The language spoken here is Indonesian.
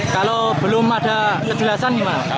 kalau belum ada kejelasan gimana